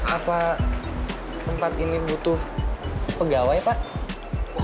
apa tempat ini butuh pegawai pak